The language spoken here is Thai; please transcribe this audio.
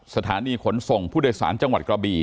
สถานีขนส่งผู้โดยสารจังหวัดกระบี่